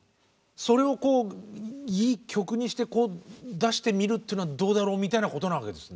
それをこういい曲にして出してみるっていうのはどうだろうみたいなことなわけですね。